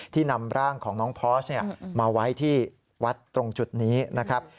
นำร่างของน้องพอสมาไว้ที่วัดตรงจุดนี้นะครับ